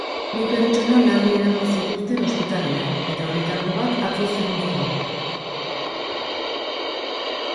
Bi pertsona larri eraman zituzten ospitalera, eta horietako bat atzo zendu zen.